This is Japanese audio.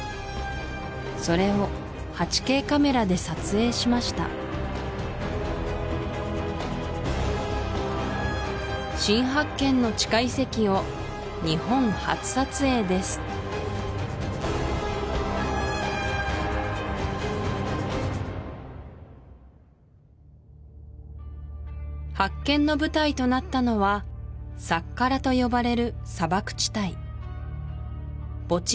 それを８Ｋカメラで撮影しました新発見の地下遺跡を日本初撮影です発見の舞台となったのはサッカラと呼ばれる砂漠地帯墓地遺跡の宝庫です